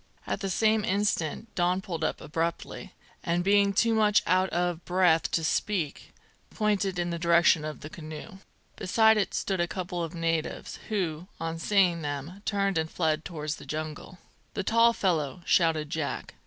At the same instant Don pulled up abruptly, and being too much out of breath to speak, pointed in the direction of the canoe. Beside it stood a couple of natives, who, on seeing them, turned and fled towards the jungle. "The tall fellow!" shouted Jack.